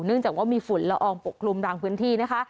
จากว่ามีฝุ่นละอองปกคลุมบางพื้นที่นะคะ